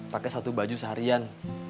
pakai satu baju seharian